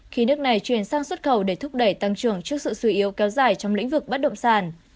khi nước này chuyển sang xuất khẩu để thúc đẩy tăng trưởng trước sự suy yếu kéo dài trong lĩnh vực bất động sản